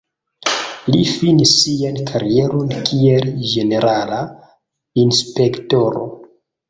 Li finis sian karieron kiel ĝenerala inspektoro.